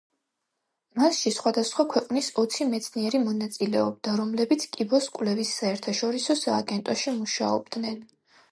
მასში სხვადასხვა ქვეყნის ოცი მეცნიერი მონაწილეობდა, რომლებიც კიბოს კვლევის საერთაშორისო სააგენტოში მუშაობდნენ.